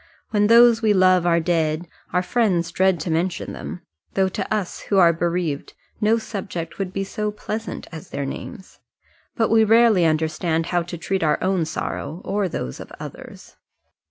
When those we love are dead, our friends dread to mention them, though to us who are bereaved no subject would be so pleasant as their names. But we rarely understand how to treat our own sorrow or those of others.